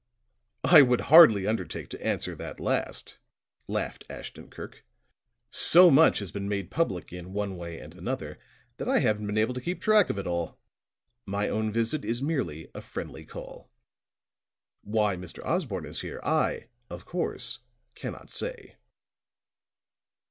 "I would hardly undertake to answer that last," laughed Ashton Kirk. "So much has been made public in one way and another that I haven't been able to keep track of it all. My own visit is merely a friendly call. Why Mr. Osborne is here I, of course, cannot say."